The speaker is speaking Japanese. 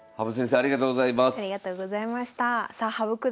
ありがとうございます。